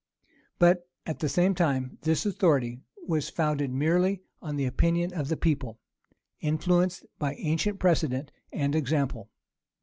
But, at the same time, this authority was founded merely on the opinion of the people, influenced by ancient precedent and example.